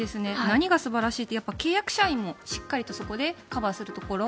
何が素晴らしいって契約社員もしっかりとそこでカバーするところ。